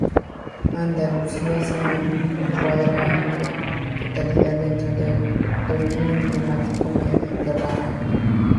Andalucía se encuadra en su totalidad dentro del dominio climático mediterráneo.